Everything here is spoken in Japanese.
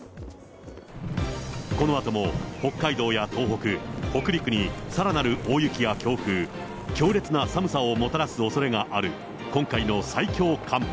このあとも北海道や東北、北陸にさらなる大雪や強風、強烈な寒さをもたらすおそれがある今回の最強寒波。